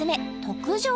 特上